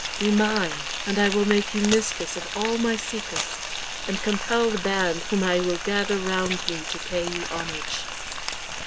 Be mine, and I will make you mistress of all my secrets, and compel the band whom I will gather round me to pay you homage.